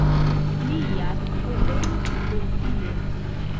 Lian koleris pro tio.